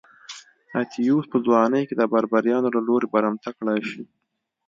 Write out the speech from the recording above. اتیوس په ځوانۍ کې د بربریانو له لوري برمته کړای شو